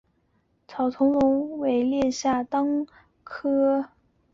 草苁蓉为列当科草苁蓉属下的一个种。